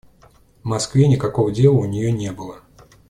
В Москве никакого дела у нее не было.